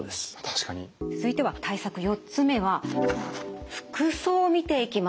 続いては対策４つ目は服装を見ていきます。